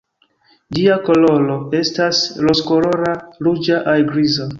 Ĝia koloro estas rozkolora, ruĝa aŭ griza.